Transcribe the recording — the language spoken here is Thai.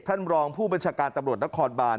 ท่านมรองผู้บัญชการตำรวจและคอร์ดบาน